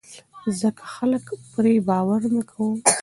ځکه خلک پرې باور نه کاوه.